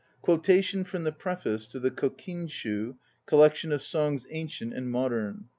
1 Quotation from the Preface to the Kokinshfi ("Collection of Songs Ancient and Modern").